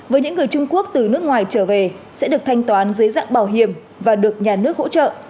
với những người trung quốc từ nước ngoài trở về sẽ được thanh toán dưới dạng bảo hiểm và được nhà nước hỗ trợ